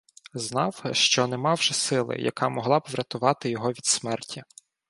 Знав, що нема вже сили, яка могла б вирятувати його від смерті.